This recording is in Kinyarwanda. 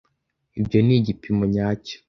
Ibyo ni igipimo nyacyo.